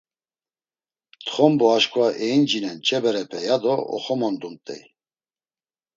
Txombu aşǩva eyincinen ç̌e berepe, ya do oxomondumt̆ey.